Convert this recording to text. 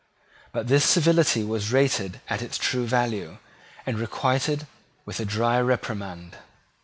But this civility was rated at its true value, and requited with a dry reprimand.